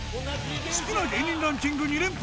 好きな芸人ランキング２連覇